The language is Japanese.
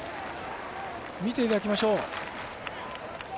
見ていただきましょう。